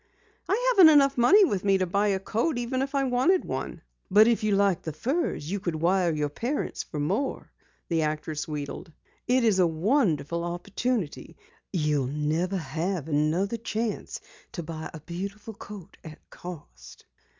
"I haven't enough money with me to buy a coat even if I wanted one." "But if you liked the furs you could wire your parents for more," the actress wheedled. "It is a wonderful opportunity. You'll never have another chance to buy a beautiful coat at cost."